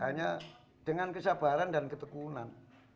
hanya dengan kesabaran dan ketekunan